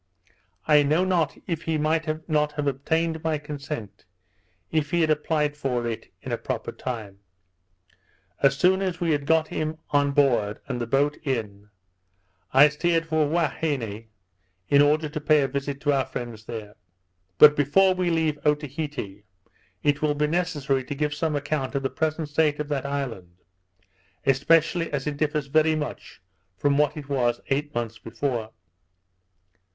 I know not if he might not have obtained my consent, if he had applied for it in a proper time. As soon as we had got him on board, and the boat in, I steered for Huaheine, in order to pay a visit to our friends there. But before we leave Otaheite, it will be necessary to give some account of the present state of that island; especially as it differs very much from what it was eight months before.